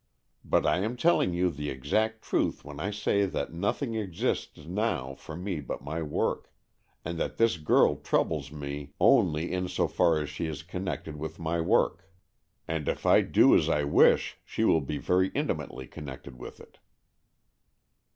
But I am telling you the exact truth when I say that nothing exists now for me but my work, and that this girl troubles me only in so far 62 AN EXCHANGE OF SOULS as she is connected with my work. And if I do as I wish, she will be very intimately con nected with it."